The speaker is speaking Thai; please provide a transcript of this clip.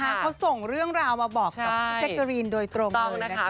เขาส่งเรื่องราวมาบอกกับพี่แจ๊กกะรีนโดยตรงนะคะ